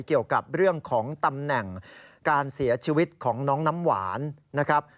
เกี่ยวกับเรื่องของตำแหน่งการเสียชีวิตของน้องน้ำหวานนะครับ